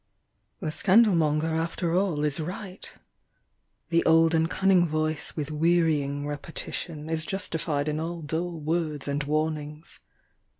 THE scandal monger after all is right — The old and cunning voice with wearying repetition Is justified in all dull words and warnings.